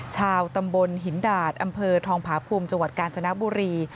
ชาวตำบลหินดาดอำเภอทองผาภูมิจังหวัดกาญจนบุรี